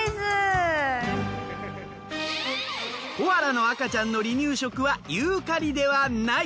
コアラの赤ちゃんの離乳食はユーカリではない。